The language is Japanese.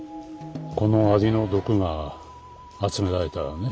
このアリの毒が集められたらね。